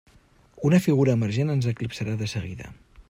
Una figura emergent ens eclipsarà de seguida.